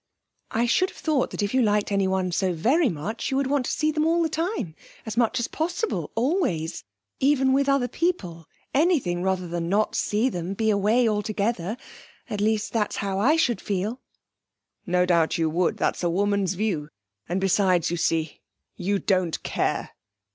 'I should have thought that if you liked anyone so very much, you would want to see them all the time, as much as possible, always even with other people...anything rather than not see them be away altogether. At least, that's how I should feel.' 'No doubt you would; that's a woman's view. And besides, you see, you don't care!'